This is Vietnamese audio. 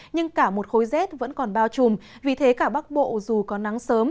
nhưng cả một khối rét vẫn còn bao trùm vì thế cả bắc bộ dù có nắng sớm